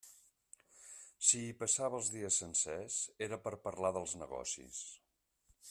Si hi passava els dies sencers, era per a parlar dels negocis.